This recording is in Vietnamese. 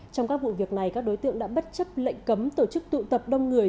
trong các vụ việc này các đối tượng đã bất chấp lệnh cấm tổ chức tụ tập đông người